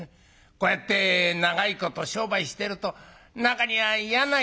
こうやって長いこと商売してると中には嫌な客がいるだろうねなんて。